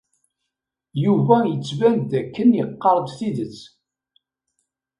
Yuba yettban-d dakken iqqar-d tidet.